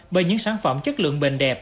bởi những sản phẩm chất lượng bền đẹp